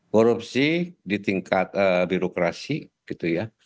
korupsi di tingkat birokrasi gitu ya